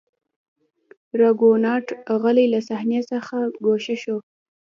راګونات غلی له صحنې څخه ګوښه شو.